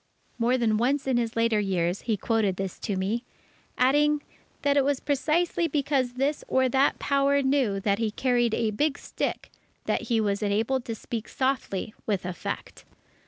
_" More than once in his later years, he quoted this to me, adding, that it was precisely because this or that Power knew that he carried a big stick, that he was enabled to speak softly with effect.